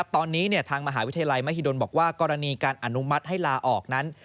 ตอนนี้ทางมหาวิทยาลัยมหิดลบอกว่ากรณีการอนุมัติให้ลาออกนั้น